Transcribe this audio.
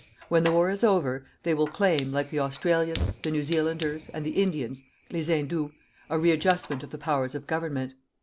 When the war is over, they will claim, like the Australians, the New Zealanders, and the Indians (les Hindous), a readjustment of the powers of government_."